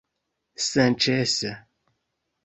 senĉese